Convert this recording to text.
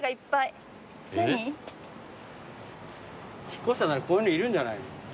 引っ越したならこういうのいるんじゃない？